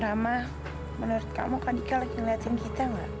rama menurut kamu kadika lagi ngeliatin kita gak